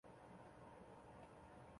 凫庄因形似野鸭浮水而得名。